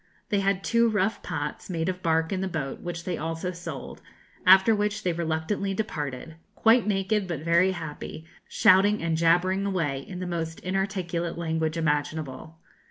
They had two rough pots, made of bark, in the boat, which they also sold, after which they reluctantly departed, quite naked but very happy, shouting and jabbering away in the most inarticulate language imaginable.